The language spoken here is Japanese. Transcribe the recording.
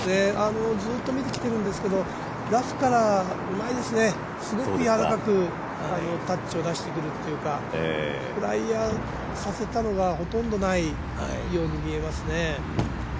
ずっと見てきているんですけど、ラフからうまいんですけどすごくやわらかくタッチを出してくるというか、フライヤーさせたのがほとんどないように見えますね。